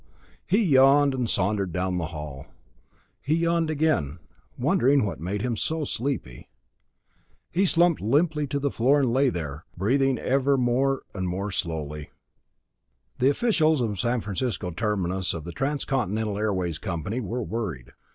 He yawned and sauntered down the hall. He yawned again, wondering what made him so sleepy. He slumped limply to the floor and lay there breathing ever more and more slowly. The officials of the San Francisco terminus of The Transcontinental Airways company were worried.